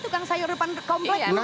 tukang sayur depan komplek